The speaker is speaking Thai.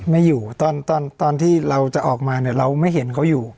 ไม่อยู่ตอนตอนที่เราจะออกมาเนี่ยเราไม่เห็นเขาอยู่